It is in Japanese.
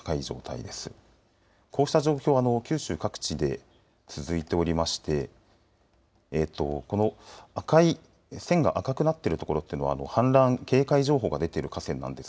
こうした状況、九州各地で続いておりまして線が赤くなっているところというのは氾濫警戒情報が出ている川なんです。